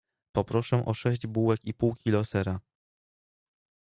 Poproszę o sześć bułek i pół kilo sera.